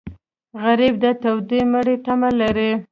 غریب د تودې مړۍ تمه لري